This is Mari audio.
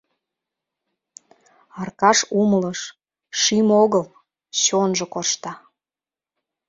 Аркаш умылыш: шӱм огыл — чонжо коршта...